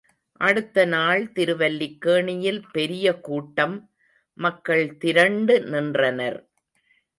அடுத்த நாள் திருவல்லிக்கேணியில் பெரிய கூட்டம்—மக்கள் திரண்டு நின்றனர்.